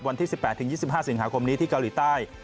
วันที่๑๘๒๕สิงหาคมนี้ที่เกาหลีใต้